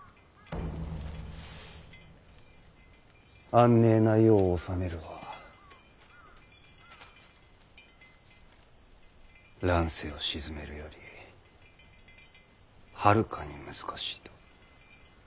安寧な世を治めるは乱世を鎮めるよりはるかに難しいと。